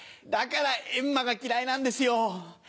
だから閻魔が嫌いなんですよ。